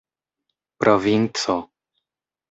provinco